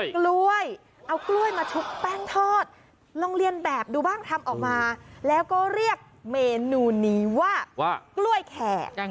กล้วยเอากล้วยมาชุบแป้งทอดลองเรียนแบบดูบ้างทำออกมาแล้วก็เรียกเมนูนี้ว่ากล้วยแขก